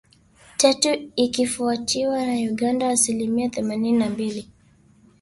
Tatu ikifuatiwa na Uganda asilimia themanini na mbili